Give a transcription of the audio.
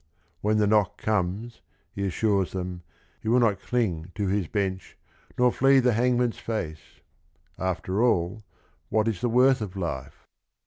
When the knock comes, he assures them, he will not cling to his bench nor flee the "hang man's face." After all, what is the worth of life